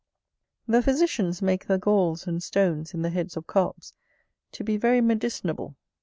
The physicians make the galls and stones in the heads of Carps to be very medicinable.